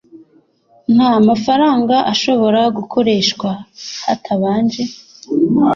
nta mafaranga ashobora gukoreshwa hatabanje